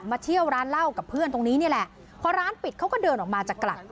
เที่ยวร้านเหล้ากับเพื่อนตรงนี้นี่แหละพอร้านปิดเขาก็เดินออกมาจะกลับ